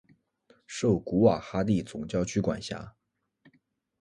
受古瓦哈蒂总教区管辖。